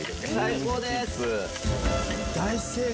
最高です！